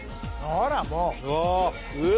ほらもう！